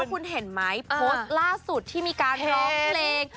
คุณเห็นไหมโพสต์ล่าสุดที่มีการร้องเพลง